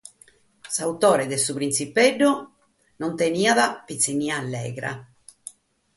S'autore de Su Printzipeddu non tengeit pitzinnia alligra.